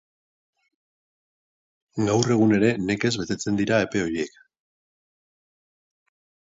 Gaur egun ere nekez betetzen dira epe horiek.